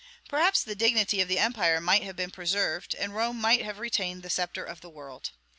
perhaps the dignity of the empire might have been preserved, and Rome might have retained the sceptre of the world!